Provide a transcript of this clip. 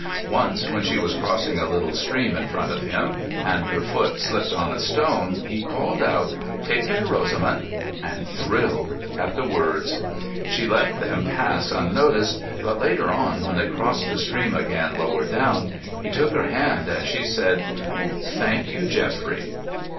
Once when she was crossing a little stream in front of him, and her foot slipped on a stone, he called out, "Take care, Rosamund," and thrilled at the words. She let them pass unnoticed; but later on, when they crossed the stream again lower down, he took her hand and she said, "Thank you, Geoffrey."